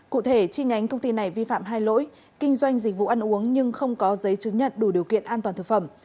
cụ thể chi nhánh công ty này vi phạm hai lỗi kinh doanh dịch vụ ăn uống nhưng không có giấy chứng nhận đủ điều kiện an toàn thực phẩm